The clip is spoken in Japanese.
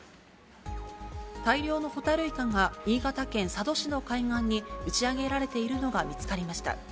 大量のホタルイカが新潟県佐渡市の海岸に打ち上げられているのが見つかりました。